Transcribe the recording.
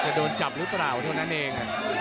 โดนจับหรือเปล่าเท่านั้นเอง